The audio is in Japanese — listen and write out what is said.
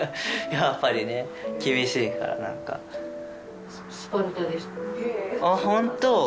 やっぱりね厳しいから何かあっ本当！